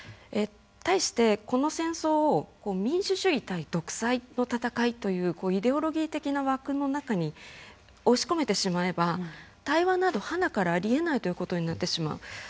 対して、この戦争を民主主義対独裁の戦いというイデオロギー的な枠の中に押し込めてしまえば対話などはなからありえないということになってしまう。